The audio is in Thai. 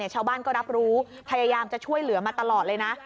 ชาวบ้านก็รับรู้พยายามจะช่วยเหลือมาตลอดเลยนะ